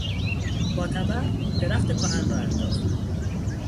با تبر درخت کهن را انداخت.